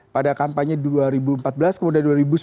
pada kampanye dua ribu empat belas kemudian dua ribu sembilan belas